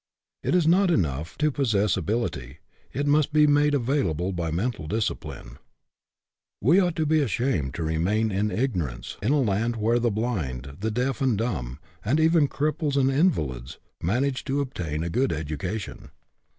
It is not enough to possess ability, it must be made available by mental discipline. 29 30 EDUCATION BY ABSORPTION We ought to be ashamed to remain in ig norance in a land where the blind, the deaf and dumb, and even cripples and invalids, man age to obtain a good education.